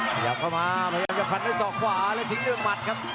ขยับเข้ามาพยายามจะฟันด้วยศอกขวาและทิ้งด้วยหมัดครับ